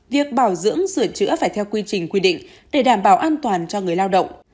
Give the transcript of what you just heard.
việc bảo dưỡng sửa chữa phải theo quy trình quy định để đảm bảo an toàn cho người lao động